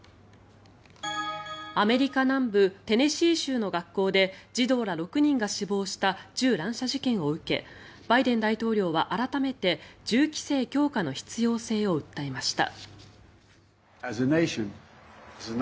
アメリカ南部テネシー州の学校で児童ら６人が死亡した銃乱射事件を受けバイデン大統領は改めて銃規制強化の必要性を訴えました。